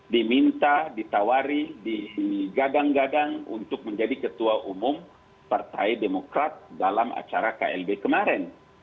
diminta ditawari digadang gadang untuk menjadi ketua umum partai demokrat dalam acara klb kemarin